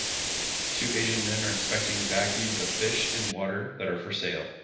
Two asian men are inspecting baggies of fish in water that are for sale.